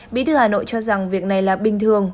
bí thư hà nội cho rằng việc này là bình thường